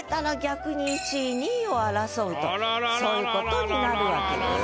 争うとそういうことになるわけです。